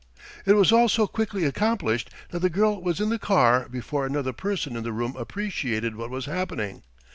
It was all so quickly accomplished that the girl was in the car before another person in the room appreciated what was happening.